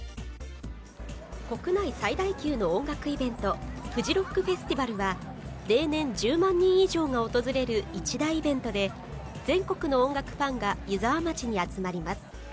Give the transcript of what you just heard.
国内最大級の音楽イベント、フジロックフェスティバルは、例年１０万人以上が訪れる一大イベントで、全国の音楽ファンが湯沢町に集まります。